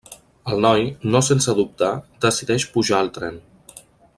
El noi, no sense dubtar, decideix pujar al tren.